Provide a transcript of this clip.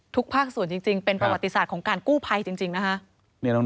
ภาคส่วนจริงเป็นประวัติศาสตร์ของการกู้ภัยจริงนะคะ